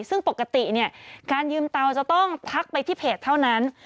ซึ่งปกติเนี่ยการยืมเตาจะต้องทักไปที่เพจเท่านั้น